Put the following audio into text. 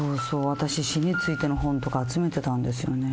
私死についての本とか集めてたんですよね